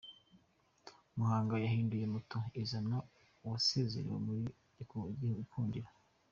Muhanga yahinduye umutoza, izana uwasezerewe muri gikundiro